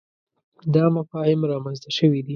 دا مفاهیم رامنځته شوي دي.